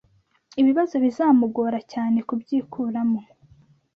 ibibazo bizamugora cyane kubyikuramo